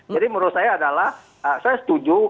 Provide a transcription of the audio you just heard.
jadi menurut saya adalah saya setuju